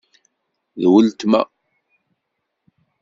D weltma.